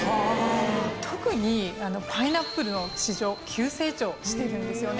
特にパイナップルの市場急成長してるんですよね。